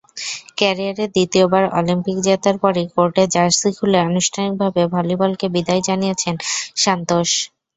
ক্যারিয়ারে দ্বিতীয়বার অলিম্পিক জেতার পরই কোর্টে জার্সি খুলে আনুষ্ঠানিকভাবে ভলিবলকে বিদায় জানিয়েছেন সান্তোস।